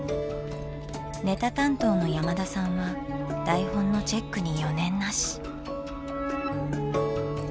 ネタ担当の山田さんは台本のチェックに余念なし。